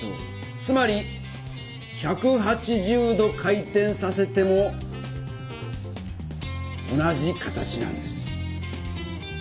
つまり１８０度回転させても同じ形なんです。